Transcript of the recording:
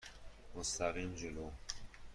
مستقیم جلو.